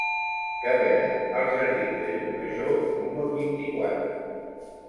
Què venen als jardins de Llucmajor número vint-i-quatre?